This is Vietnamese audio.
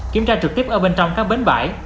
kiểm tra trực tiếp ở bên trong các bến bãi